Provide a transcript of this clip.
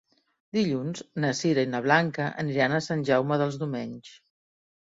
Dilluns na Sira i na Blanca aniran a Sant Jaume dels Domenys.